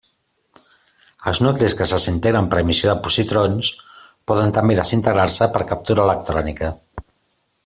Els nuclis que es desintegren per emissió de positrons poden també desintegrar-se per captura electrònica.